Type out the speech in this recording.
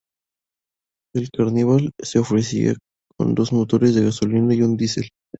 El Carnival se ofrecía con dos motores de gasolina y un diesel.